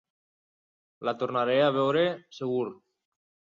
La tornaré a veure segur!